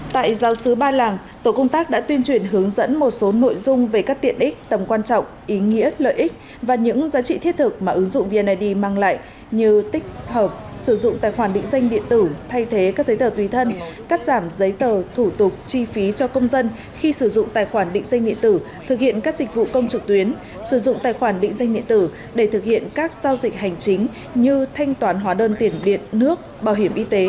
tại giáo sứ ba làng tổ công tác đã tuyên truyền hướng dẫn một số nội dung về các tiện ích tầm quan trọng ý nghĩa lợi ích và những giá trị thiết thực mà ứng dụng vnid mang lại như tích hợp sử dụng tài khoản định danh điện tử thay thế các giấy tờ tùy thân cắt giảm giấy tờ thủ tục chi phí cho công dân khi sử dụng tài khoản định danh điện tử thực hiện các dịch vụ công trực tuyến sử dụng tài khoản định danh điện tử để thực hiện các giao dịch hành chính như thanh toán hóa đơn tiền điện nước bảo hiểm y t